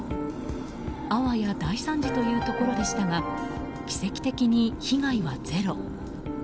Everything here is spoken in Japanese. あわや大惨事というところでしたが奇跡的に被害はゼロ。